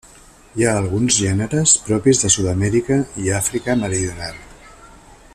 Hi ha alguns gèneres propis de Sud-amèrica i Àfrica meridional.